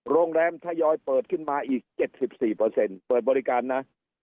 โรงแรมทยอยเปิดขึ้นมาอีก๗๔เปิดบริการนะ